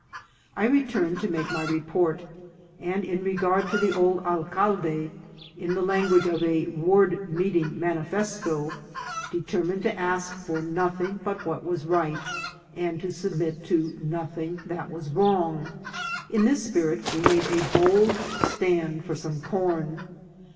I returned to make my report, and in regard to the old alcalde, in the language of a ward meeting mani festo, determined to ask for nothing but what was right, and to submit to nothing that was wrong. In this spirit we made a bold stand for some corn.